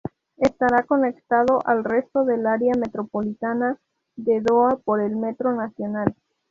Estará conectado al resto del área metropolitana de Doha por el metro nacional.